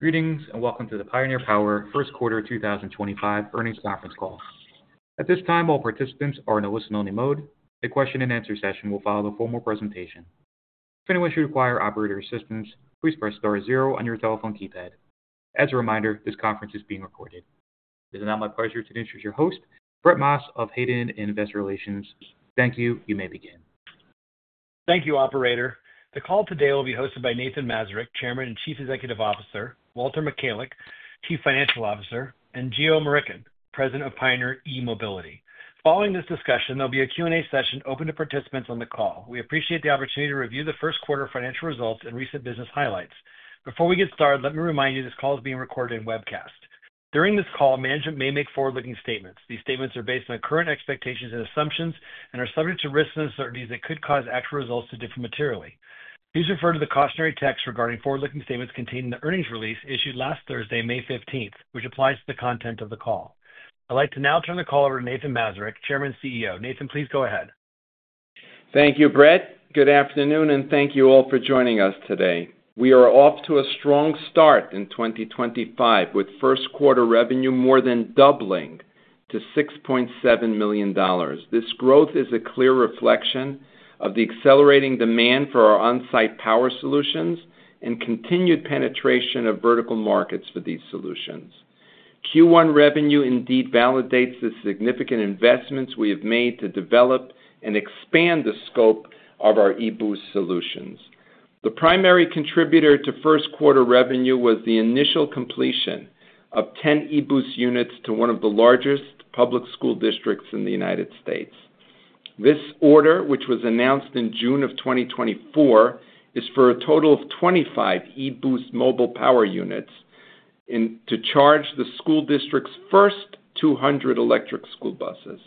Greetings and welcome to the Pioneer Power Solutions 2025 Earnings Conference Call. At this time, all participants are in a listen-only mode. A question-and-answer session will follow the formal presentation. If anyone should require operator assistance, please press star zero on your telephone keypad. As a reminder, this conference is being recorded. It is now my pleasure to introduce your host, Brett Maas of Hayden IR. Thank you. You may begin. Thank you, Operator. The call today will be hosted by Nathan Mazurek, Chairman and Chief Executive Officer; Walter Michalek, Chief Financial Officer; and Geo Murickan, President of Pioneer eMobility. Following this discussion, there'll be a Q&A session open to participants on the call. We appreciate the opportunity to review the first quarter financial results and recent business highlights. Before we get started, let me remind you this call is being recorded and webcast. During this call, management may make forward-looking statements. These statements are based on current expectations and assumptions and are subject to risks and uncertainties that could cause actual results to differ materially. Please refer to the cautionary text regarding forward-looking statements contained in the earnings release issued last Thursday, May 5th, which applies to the content of the call. I'd like to now turn the call over to Nathan Mazurek, Chairman and CEO. Nathan, please go ahead. Thank you, Brett. Good afternoon, and thank you all for joining us today. We are off to a strong start in 2025, with first quarter revenue more than doubling to $6.7 million. This growth is a clear reflection of the accelerating demand for our on-site power solutions and continued penetration of vertical markets for these solutions. Q revenue indeed validates the significant investments we have made to develop and expand the scope of our eBoost solutions. The primary contributor to first quarter revenue was the initial completion of 0 eBoost units to one of the largest public school districts in the United States. This order, which was announced in June of 2024, is for a total of 25 eBoost mobile power units to charge the school district's first 200 electric school buses.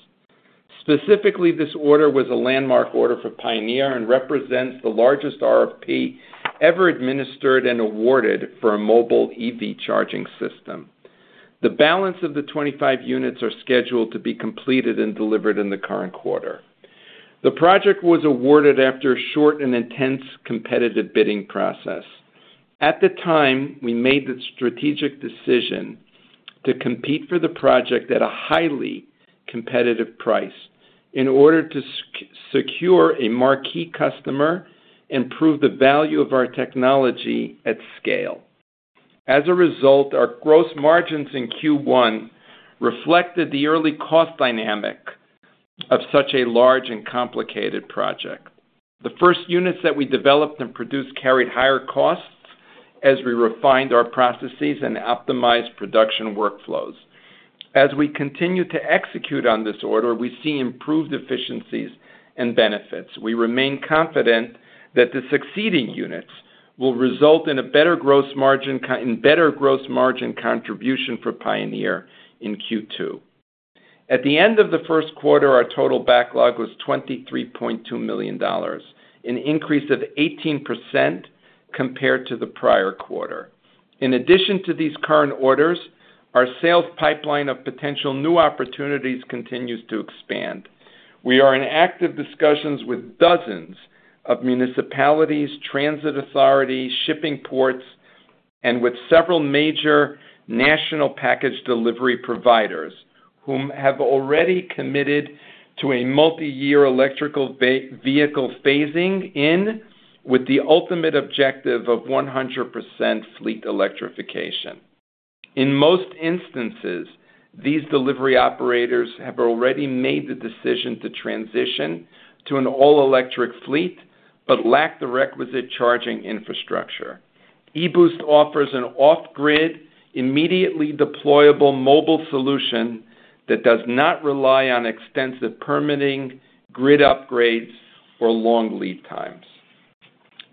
Specifically, this order was a landmark order for Pioneer and represents the largest RFP ever administered and awarded for a mobile EV charging system. The balance of the 25 units is scheduled to be completed and delivered in the current quarter. The project was awarded after a short and intense competitive bidding process. At the time, we made the strategic decision to compete for the project at a highly competitive price in order to secure a marquee customer and prove the value of our technology at scale. As a result, our gross margins in Q1 reflected the early cost dynamic of such a large and complicated project. The first units that we developed and produced carried higher costs as we refined our processes and optimized production workflows. As we continue to execute on this order, we see improved efficiencies and benefits. We remain confident that the succeeding units will result in a better gross margin contribution for Pioneer in Q2. At the end of the first quarter, our total backlog was $23.2 million, an increase of 18% compared to the prior quarter. In addition to these current orders, our sales pipeline of potential new opportunities continues to expand. We are in active discussions with dozens of municipalities, transit authorities, shipping ports, and with several major national package delivery providers who have already committed to a multi-year EV phasing in with the ultimate objective of 100% fleet electrification. In most instances, these delivery operators have already made the decision to transition to an all-electric fleet but lack the requisite charging infrastructure. eBoost offers an off-grid, immediately deployable mobile solution that does not rely on extensive permitting, grid upgrades, or long lead times.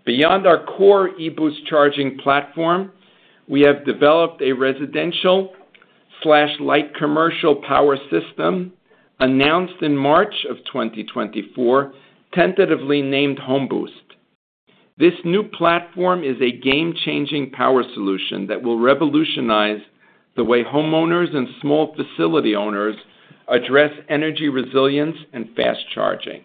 Beyond our core eBoost charging platform, we have developed a residential/light commercial power system announced in March of 2024, tentatively named HomeBoost. This new platform is a game-changing power solution that will revolutionize the way homeowners and small facility owners address energy resilience and fast charging.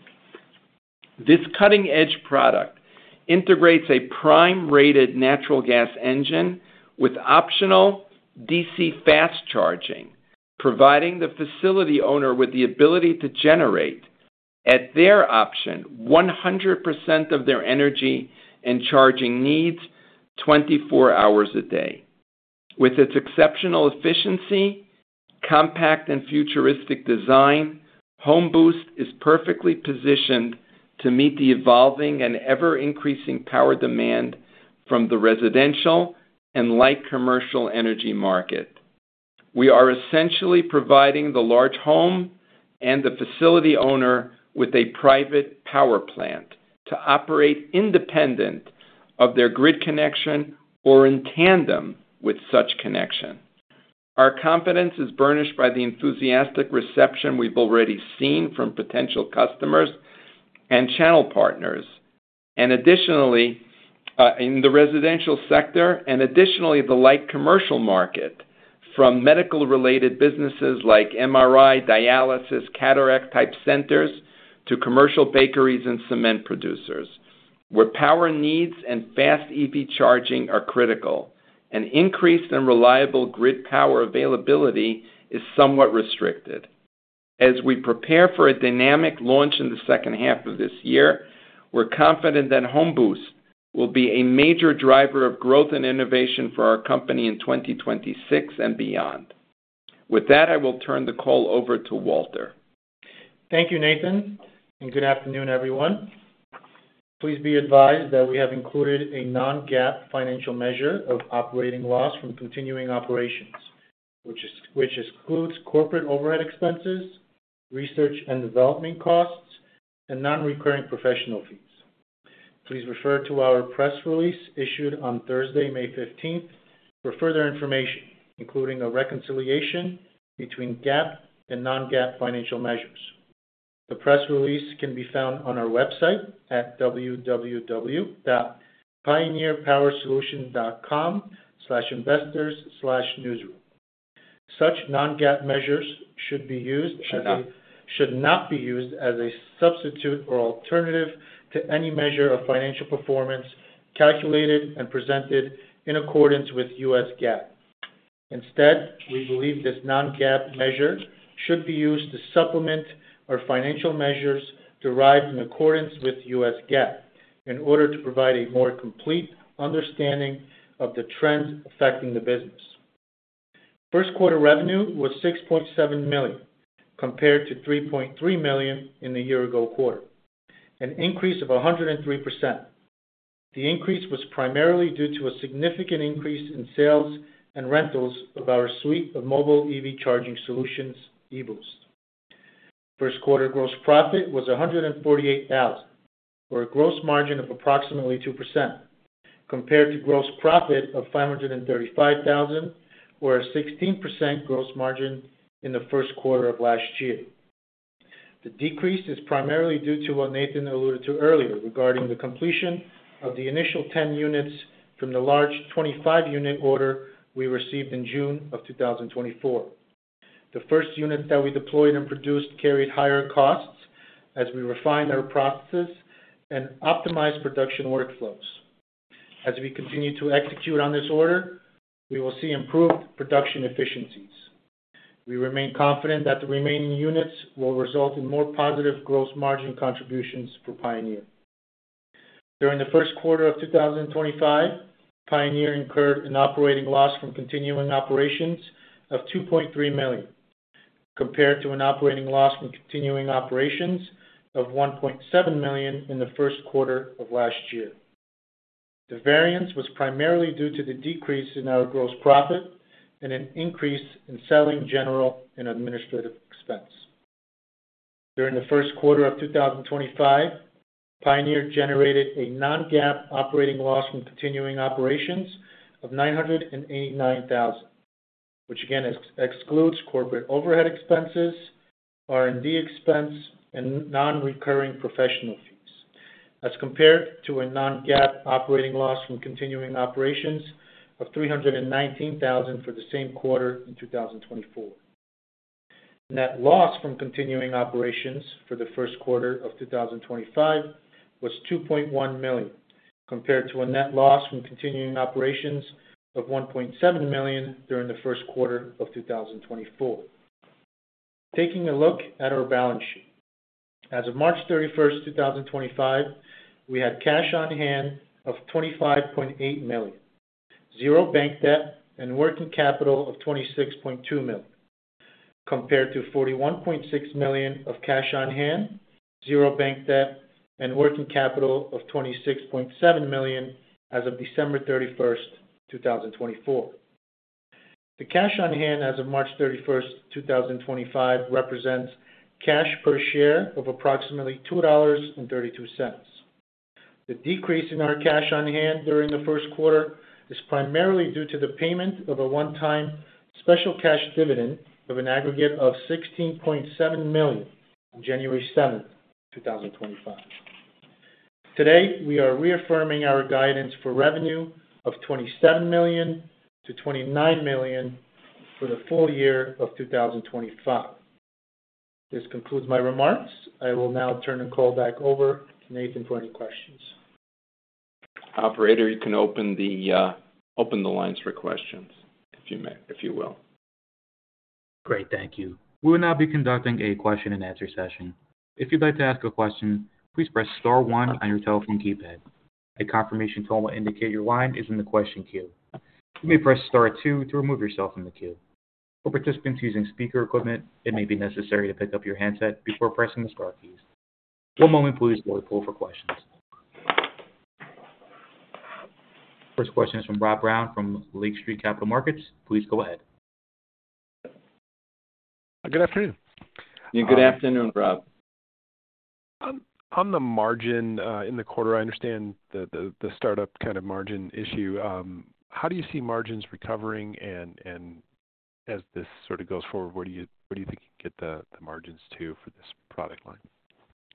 This cutting-edge product integrates a prime-rated natural gas engine with optional DC fast charging, providing the facility owner with the ability to generate, at their option, 100% of their energy and charging needs 24 hours a day. With its exceptional efficiency, compact, and futuristic design, HomeBoost is perfectly positioned to meet the evolving and ever-increasing power demand from the residential and light commercial energy market. We are essentially providing the large home and the facility owner with a private power plant to operate independent of their grid connection or in tandem with such connection. Our confidence is burnished by the enthusiastic reception we've already seen from potential customers and channel partners in the residential sector and additionally the light commercial market from medical-related businesses like MRI, dialysis, cataract-type centers, to commercial bakeries and cement producers, where power needs and fast EV charging are critical. An increased and reliable grid power availability is somewhat restricted. As we prepare for a dynamic launch in the second half of this year, we're confident that HomeBoost will be a major driver of growth and innovation for our company in 2026 and beyond. With that, I will turn the call over to Walter. Thank you, Nathan, and good afternoon, everyone. Please be advised that we have included a non-GAAP financial measure of operating loss from continuing operations, which excludes corporate overhead expenses, research and development costs, and non-recurring professional fees. Please refer to our press release issued on Thursday, May 15th, for further information, including a reconciliation between GAAP and non-GAAP financial measures. The press release can be found on our website at www.pioneerpowersolutions.com/investors/newsroom. Such non-GAAP measures should not be used as a substitute or alternative to any measure of financial performance calculated and presented in accordance with U.S. GAAP. Instead, we believe this non-GAAP measure should be used to supplement our financial measures derived in accordance with U.S. GAAP in order to provide a more complete understanding of the trends affecting the business. First quarter revenue was $6.7 million compared to $3.3 million in the year-ago quarter, an increase of 103%. The increase was primarily due to a significant increase in sales and rentals of our suite of mobile EV charging solutions, eBoost. First quarter gross profit was $148,000, or a gross margin of approximately 2%, compared to gross profit of $535,000, or a 16% gross margin in the first quarter of last year. The decrease is primarily due to what Nathan alluded to earlier regarding the completion of the initial 10 units from the large 25-unit order we received in June of 2024. The first units that we deployed and produced carried higher costs as we refined our processes and optimized production workflows. As we continue to execute on this order, we will see improved production efficiencies. We remain confident that the remaining units will result in more positive gross margin contributions for Pioneer. During the first quarter of 2025, Pioneer incurred an operating loss from continuing operations of $2.3 million, compared to an operating loss from continuing operations of $1.7 million in the first quarter of last year. The variance was primarily due to the decrease in our gross profit and an increase in selling, general and administrative expense. During the first quarter of 2025, Pioneer generated a non-GAAP operating loss from continuing operations of $989,000, which again excludes corporate overhead expenses, R&D expense, and non-recurring professional fees, as compared to a non-GAAP operating loss from continuing operations of $319,000 for the same quarter in 2024. Net loss from continuing operations for the first quarter of 2025 was $2.1 million, compared to a net loss from continuing operations of $1.7 million during the first quarter of 2024. Taking a look at our balance sheet, as of March 31, 2025, we had cash on hand of $25.8 million, zero bank debt, and working capital of $26.2 million, compared to $41.6 million of cash on hand, zero bank debt, and working capital of $26.7 million as of December 31, 2024. The cash on hand as of March 31, 2025, represents cash per share of approximately $2.32. The decrease in our cash on hand during the first quarter is primarily due to the payment of a one-time special cash dividend of an aggregate of $16.7 million on January 7, 2025. Today, we are reaffirming our guidance for revenue of $27 million-$29 million for the full year of 2025. This concludes my remarks. I will now turn the call back over to Nathan for any questions. Operator, you can open the lines for questions, if you will. Great. Thank you. We will now be conducting a question-and-answer session. If you'd like to ask a question, please press Star one on your telephone keypad. A confirmation tone will indicate your line is in the question queue. You may press Star two to remove yourself from the queue. For participants using speaker equipment, it may be necessary to pick up your handset before pressing the Star keys. One moment, please, while we pull for questions. First question is from Rob Brown from Lake Street Capital Markets. Please go ahead. Good afternoon. Good afternoon, Rob. On the margin in the quarter, I understand the startup kind of margin issue. How do you see margins recovering? As this sort of goes forward, where do you think you get the margins to for this product line?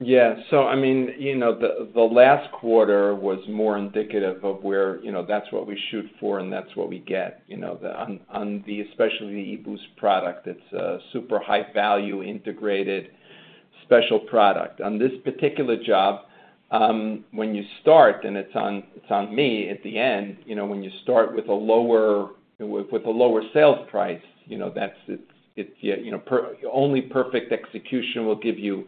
Yeah. So I mean, the last quarter was more indicative of where that's what we shoot for and that's what we get. Especially the eBoost product, it's a super high-value integrated special product. On this particular job, when you start, and it's on me at the end, when you start with a lower sales price, only perfect execution will give you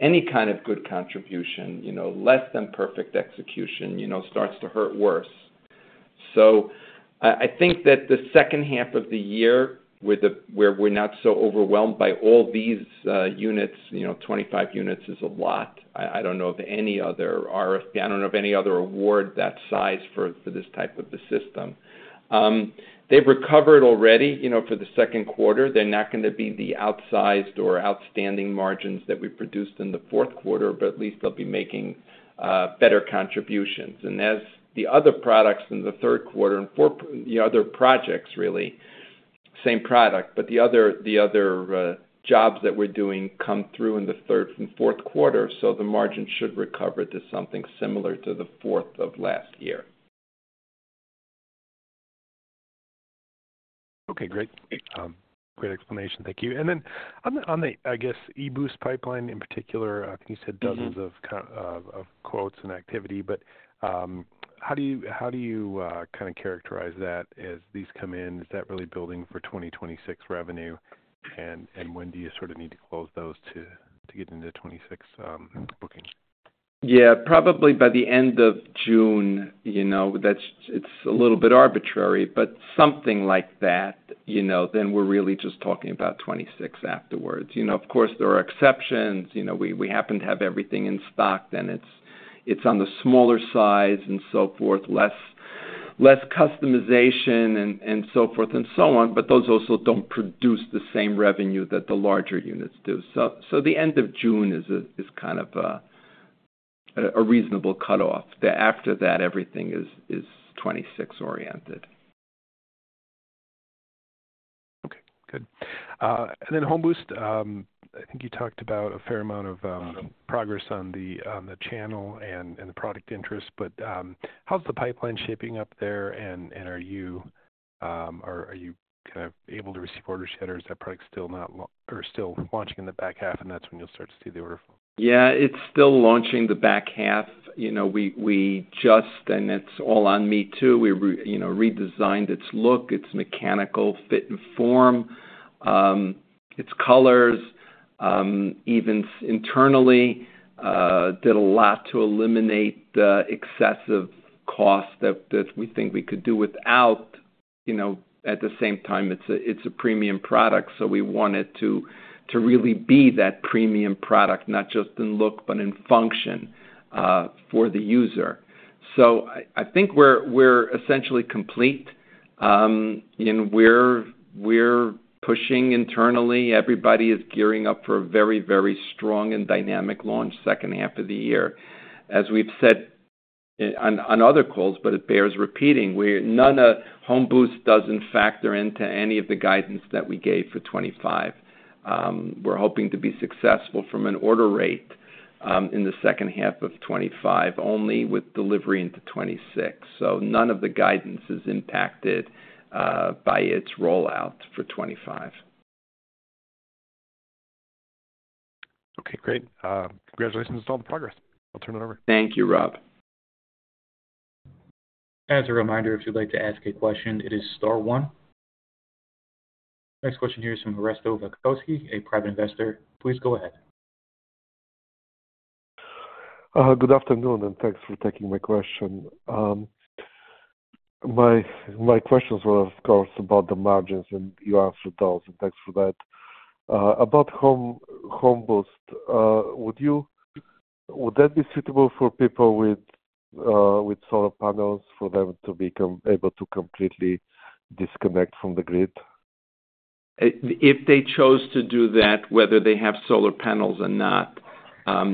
any kind of good contribution. Less than perfect execution starts to hurt worse. I think that the second half of the year, where we're not so overwhelmed by all these units, 25 units is a lot. I don't know of any other RFP. I don't know of any other award that size for this type of a system. They've recovered already for the second quarter. They're not going to be the outsized or outstanding margins that we produced in the fourth quarter, but at least they'll be making better contributions. As the other products in the third quarter and fourth, the other projects, really, same product, but the other jobs that we're doing come through in the third and fourth quarter, the margin should recover to something similar to the fourth of last year. Okay. Great. Great explanation. Thank you. And then on the, I guess, eBoost pipeline in particular, I think you said dozens of quotes and activity, but how do you kind of characterize that as these come in? Is that really building for 2026 revenue? And when do you sort of need to close those to get into 2026 booking? Yeah. Probably by the end of June. It's a little bit arbitrary, but something like that. Then we're really just talking about 2026 afterwards. Of course, there are exceptions. If we happen to have everything in stock, then it's on the smaller size and so forth, less customization and so forth and so on, but those also don't produce the same revenue that the larger units do. The end of June is kind of a reasonable cutoff. After that, everything is 2026-oriented. Okay. Good. And then HomeBoost, I think you talked about a fair amount of progress on the channel and the product interest, but how's the pipeline shaping up there? And are you kind of able to receive orders yet, or is that product still launching in the back half, and that's when you'll start to see the order flow? Yeah. It's still launching the back half. We just, and it's all on me too, redesigned its look, its mechanical fit and form, its colors, even internally, did a lot to eliminate the excessive cost that we think we could do without. At the same time, it's a premium product, so we want it to really be that premium product, not just in look, but in function for the user. I think we're essentially complete. We're pushing internally. Everybody is gearing up for a very, very strong and dynamic launch second half of the year. As we've said on other calls, but it bears repeating, none of HomeBoost doesn't factor into any of the guidance that we gave for 2025. We're hoping to be successful from an order rate in the second half of 2025, only with delivery into 2026. None of the guidance is impacted by its rollout for 2025. Okay. Great. Congratulations on all the progress. I'll turn it over. Thank you, Rob. As a reminder, if you'd like to ask a question, it is Star one. Next question here is from Resto Vakovsky, a private investor. Please go ahead. Good afternoon, and thanks for taking my question. My question was, of course, about the margins, and you answered those, and thanks for that. About HomeBoost, would that be suitable for people with solar panels for them to become able to completely disconnect from the grid? If they chose to do that, whether they have solar panels or not,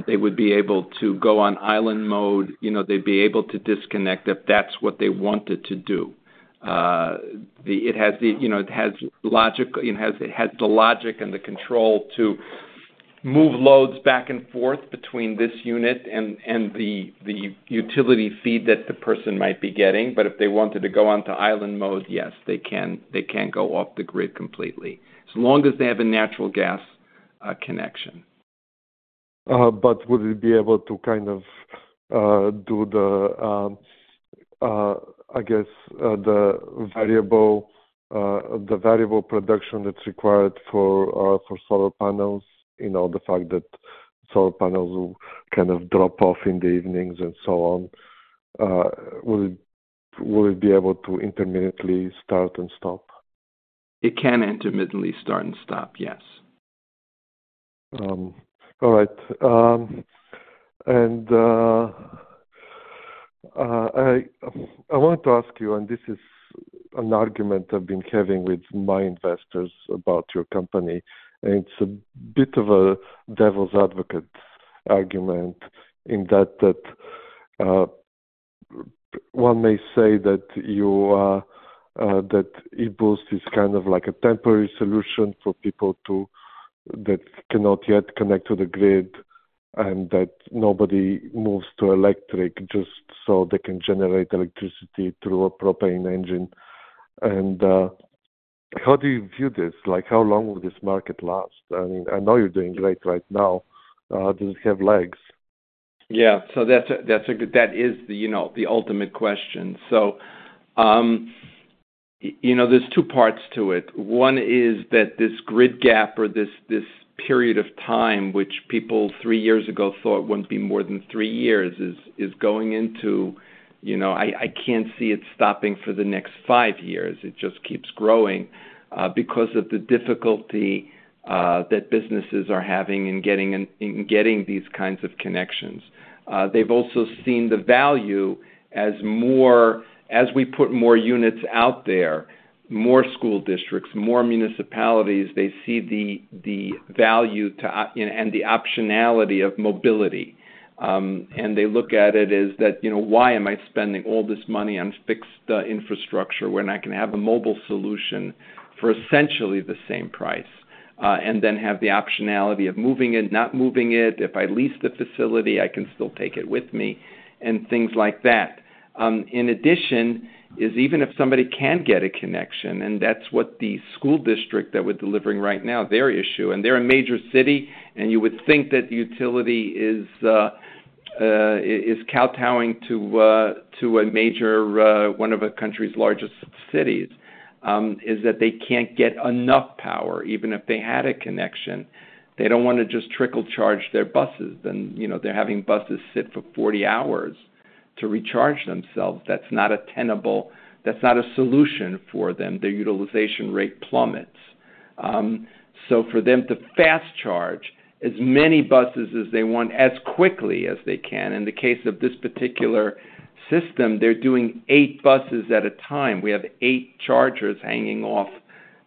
they would be able to go on island mode. They'd be able to disconnect if that's what they wanted to do. It has the logic and the control to move loads back and forth between this unit and the utility feed that the person might be getting. If they wanted to go on to island mode, yes, they can go off the grid completely, as long as they have a natural gas connection. Would it be able to kind of do the, I guess, the variable production that's required for solar panels, the fact that solar panels will kind of drop off in the evenings and so on? Will it be able to intermittently start and stop? It can intermittently start and stop, yes. All right. I wanted to ask you, and this is an argument I've been having with my investors about your company. It's a bit of a devil's advocate argument in that one may say that eBoost is kind of like a temporary solution for people that cannot yet connect to the grid and that nobody moves to electric just so they can generate electricity through a propane engine. How do you view this? How long will this market last? I mean, I know you're doing great right now. Does it have legs? Yeah. That is the ultimate question. There are two parts to it. One is that this grid gap or this period of time, which people three years ago thought would not be more than three years, is going into I cannot see it stopping for the next five years. It just keeps growing because of the difficulty that businesses are having in getting these kinds of connections. They have also seen the value as we put more units out there, more school districts, more municipalities, they see the value and the optionality of mobility. They look at it as, "Why am I spending all this money on fixed infrastructure when I can have a mobile solution for essentially the same price?" Then have the optionality of moving it, not moving it. If I lease the facility, I can still take it with me, and things like that. In addition, even if somebody can get a connection, and that's what the school district that we're delivering right now, their issue, and they're a major city, and you would think that utility is kowtowing to one of the country's largest cities, is that they can't get enough power. Even if they had a connection, they don't want to just trickle charge their buses. Then they're having buses sit for 40 hours to recharge themselves. That's not a solution for them. Their utilization rate plummets. For them to fast charge as many buses as they want as quickly as they can, in the case of this particular system, they're doing eight buses at a time. We have eight chargers hanging off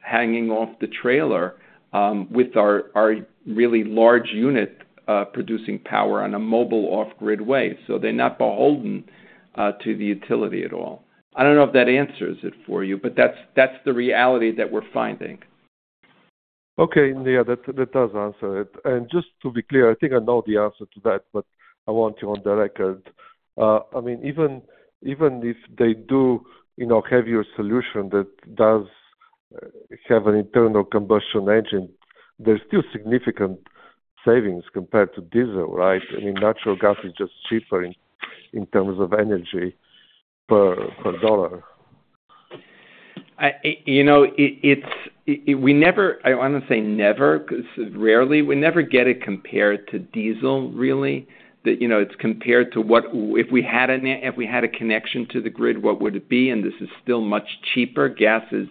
the trailer with our really large unit producing power on a mobile off-grid way. They are not beholden to the utility at all. I don't know if that answers it for you, but that's the reality that we're finding. Okay. Yeah. That does answer it. Just to be clear, I think I know the answer to that, but I want you on the record. I mean, even if they do have your solution that does have an internal combustion engine, there's still significant savings compared to diesel, right? I mean, natural gas is just cheaper in terms of energy per dollar. We never—I do not want to say never because rarely—we never get it compared to diesel, really. It is compared to, "If we had a connection to the grid, what would it be?" This is still much cheaper. Gas is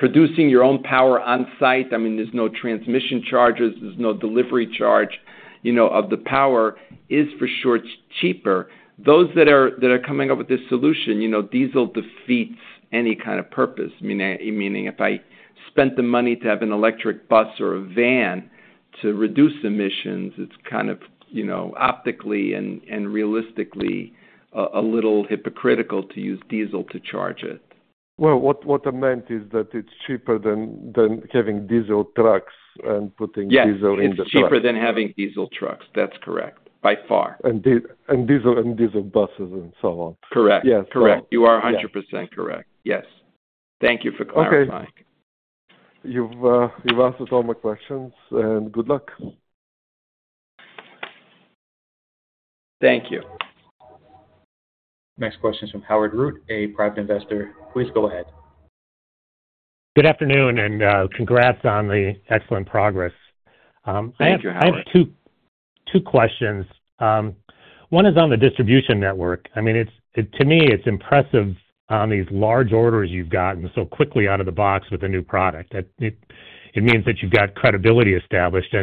producing your own power on-site. I mean, there are no transmission charges. There is no delivery charge of the power. It is, for sure, cheaper. Those that are coming up with this solution, diesel defeats any kind of purpose. Meaning, if I spent the money to have an electric bus or a van to reduce emissions, it is kind of optically and realistically a little hypocritical to use diesel to charge it. What I meant is that it's cheaper than having diesel trucks and putting diesel in the truck. Yes. It's cheaper than having diesel trucks. That's correct, by far. Diesel buses and so on. Correct. You are 100% correct. Yes. Thank you for clarifying. Okay. You've answered all my questions, and good luck. Thank you. Next question is from Howard Root, a private investor. Please go ahead. Good afternoon, and congrats on the excellent progress. I have two questions. One is on the distribution network. I mean, to me, it's impressive on these large orders you've gotten so quickly out of the box with a new product. It means that you've got credibility established.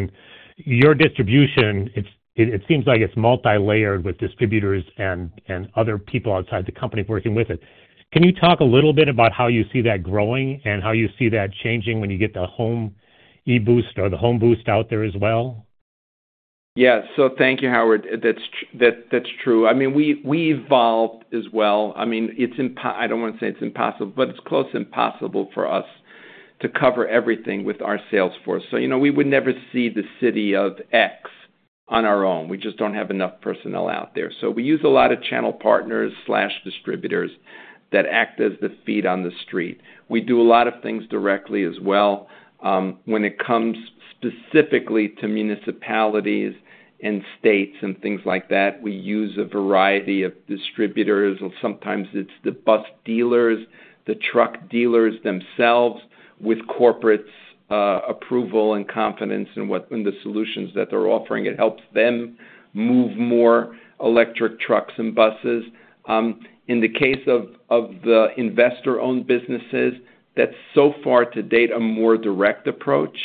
Your distribution, it seems like it's multi-layered with distributors and other people outside the company working with it. Can you talk a little bit about how you see that growing and how you see that changing when you get the HomeBoost out there as well? Yeah. Thank you, Howard. That's true. I mean, we evolved as well. I don't want to say it's impossible, but it's close to impossible for us to cover everything with our sales force. We would never see the city of X on our own. We just do not have enough personnel out there. So we use a lot of channel partners/distributors that act as the feet on the street. We do a lot of things directly as well. When it comes specifically to municipalities and states and things like that, we use a variety of distributors. Sometimes it is the bus dealers, the truck dealers themselves with corporate's approval and confidence in the solutions that they are offering. It helps them move more electric trucks and buses. In the case of the investor-owned businesses, that is so far to date a more direct approach.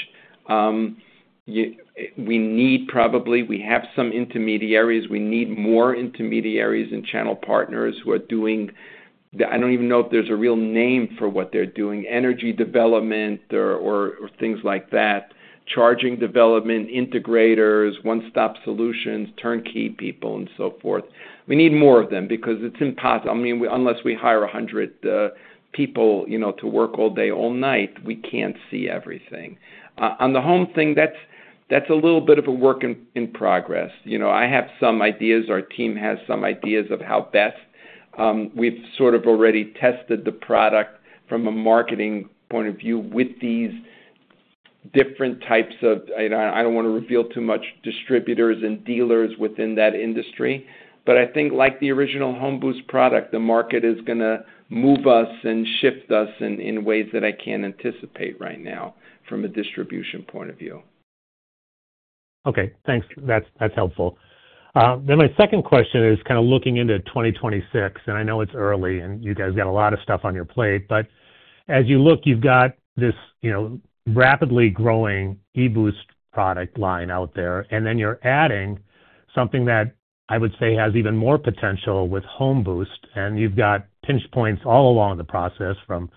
We need probably—we have some intermediaries. We need more intermediaries and channel partners who are doing—I do not even know if there is a real name for what they are doing—energy development or things like that, charging development, integrators, one-stop solutions, turnkey people, and so forth. We need more of them because it is impossible. I mean, unless we hire 100 people to work all day, all night, we can't see everything. On the home thing, that's a little bit of a work in progress. I have some ideas. Our team has some ideas of how best. We've sort of already tested the product from a marketing point of view with these different types of—I don't want to reveal too much—distributors and dealers within that industry. I think, like the original HomeBoost product, the market is going to move us and shift us in ways that I can't anticipate right now from a distribution point of view. Okay. Thanks. That's helpful. My second question is kind of looking into 2026, and I know it's early, and you guys got a lot of stuff on your plate. As you look, you've got this rapidly growing eBoost product line out there, and then you're adding something that I would say has even more potential with HomeBoost. You've got pinch points all along the process from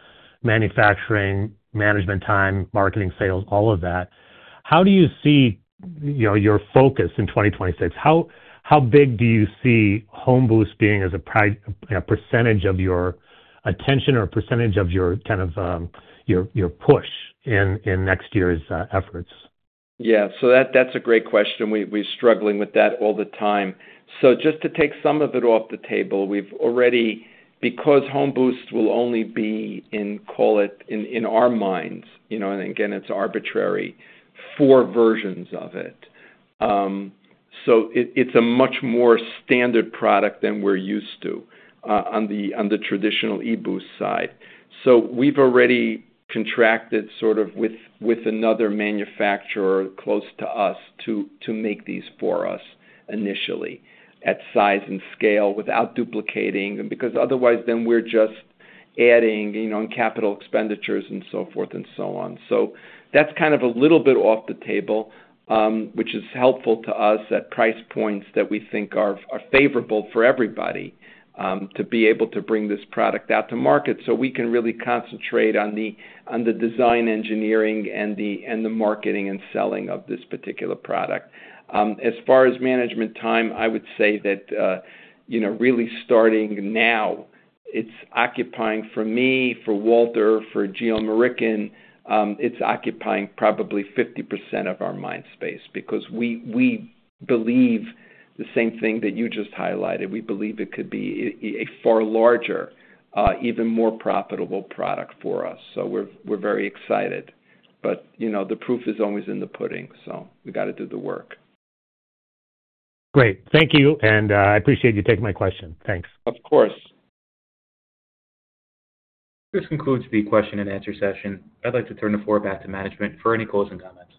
manufacturing, management time, marketing, sales, all of that. How do you see your focus in 2026? How big do you see HomeBoost being as a percentage of your attention or a percentage of kind of your push in next year's efforts? Yeah. That's a great question. We're struggling with that all the time. Just to take some of it off the table, we've already—because HomeBoost will only be, call it, in our minds, and again, it's arbitrary, four versions of it. It's a much more standard product than we're used to on the traditional eBoost side. We've already contracted with another manufacturer close to us to make these for us initially at size and scale without duplicating. Otherwise, we're just adding capital expenditures and so forth and so on. That's kind of a little bit off the table, which is helpful to us at price points that we think are favorable for everybody to be able to bring this product out to market so we can really concentrate on the design, engineering, and the marketing and selling of this particular product. As far as management time, I would say that really starting now, it's occupying for me, for Walter, for Geo Murickan, it's occupying probably 50% of our mind space because we believe the same thing that you just highlighted. We believe it could be a far larger, even more profitable product for us. We are very excited. The proof is always in the pudding. We got to do the work. Great. Thank you. I appreciate you taking my question. Thanks. Of course. This concludes the question and answer session. I'd like to turn the floor back to management for any closing comments.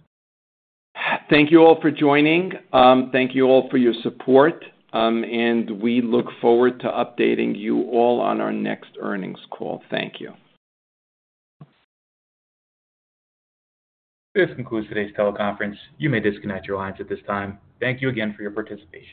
Thank you all for joining. Thank you all for your support. We look forward to updating you all on our next earnings call. Thank you. This concludes today's teleconference. You may disconnect your lines at this time. Thank you again for your participation.